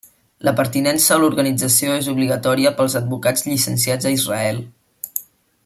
La pertinença a l'organització és obligatòria pels advocats llicenciats a Israel.